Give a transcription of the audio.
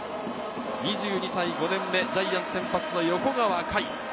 ２２歳５年目、ジャイアンツ先発の横川凱。